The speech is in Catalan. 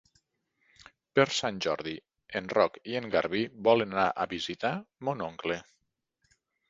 Per Sant Jordi en Roc i en Garbí volen anar a visitar mon oncle.